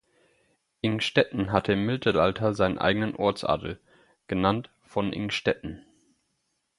Ingstetten hatte im Mittelalter seinen eigenen Ortsadel, genannt "von Ingstetten".